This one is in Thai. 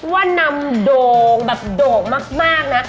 ว่านำโด่งแบบโด่งมากนะ